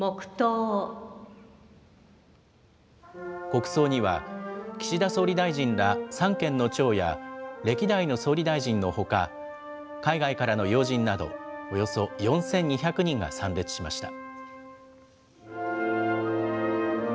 国葬には、岸田総理大臣ら三権の長や、歴代の総理大臣のほか、海外からの要人など、およそ４２００人が参列しました。